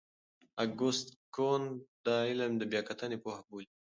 اګوست کُنت دا علم د بیا کتنې پوهه بولي.